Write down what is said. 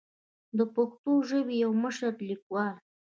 د پښتو ژبې يو مشر ليکوال